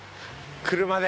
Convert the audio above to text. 車で。